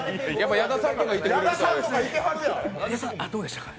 矢田さん、どうでしたかね？